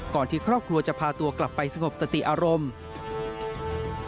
ที่ครอบครัวจะพาตัวกลับไปสงบสติอารมณ์